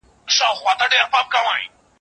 يو په يو به حقيقت بيانومه